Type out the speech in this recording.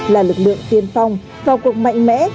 là lực lượng tiên phong và cục mạnh mẽ